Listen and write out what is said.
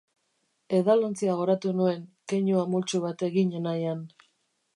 Edalontzia goratu nuen, keinu amultsu bat egin nahian.